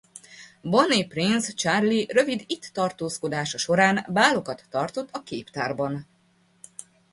Bonnie Prince Charlie rövid itt tartózkodása során bálokat tartott a képtárban.